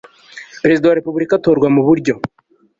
perezida wa repubulika atorwa mu buryo